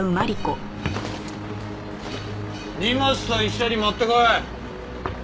荷物と一緒に持ってこい。